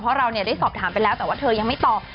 เพราะเราได้สอบถามไปแล้วแต่ว่าเธอยังไม่ตอบ